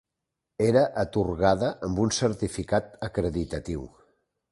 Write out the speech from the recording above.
Era atorgada amb un certificat acreditatiu.